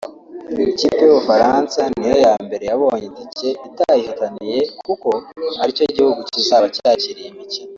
Ikipe y’u Bufaransa niyo ya mbere yabonye itike itayihataniye kuko ari cyo gihugu kizaba cyakiriye imikino